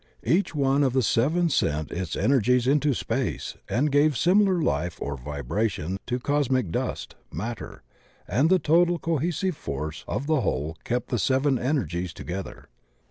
Each one of the seven sent its ener gies into space and gave similar life or vibration to cos mic dust — ^matter — and the total cohesive force of the whole kept the seven energies together.